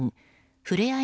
ふれあい